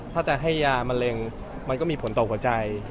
ถ้าจะให้ยามะเร็งมันก็มีผลต่อหัวใจ